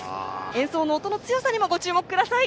演奏の音の強さにもご注目ください！